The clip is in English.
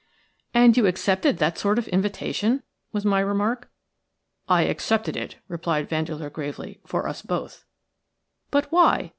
'" "And you accepted that sort of invitation?" was my remark. "I accepted it," replied Vandeleur, gravely, "for us both." "But why?